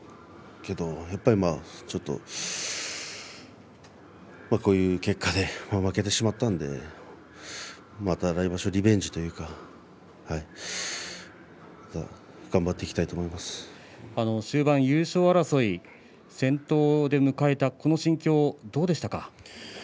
けど、ちょっとこういう結果で負けてしまったんでまた来場所、リベンジというか終盤、優勝争い先頭で迎えたこの心境どうでしたか。